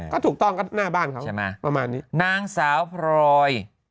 ก็ถูกต้องก็หน้าบ้านเขาใช่ไหมประมาณนี้นางสาวพลอย